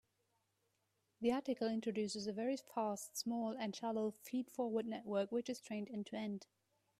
The article introduces a very fast, small, and shallow feed-forward network which is trained end-to-end.